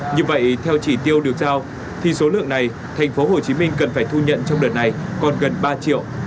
như vậy theo chỉ tiêu được giao thì số lượng này tp hcm cần phải thu nhận trong đợt này còn gần ba triệu